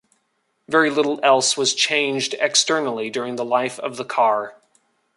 Very little else was changed externally during the life of the car.